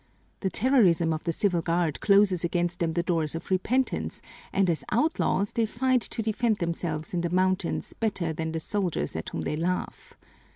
The terrorism of the Civil Guard closes against them the doors of repentance, and as outlaws they fight to defend themselves in the mountains better than the soldiers at whom they laugh.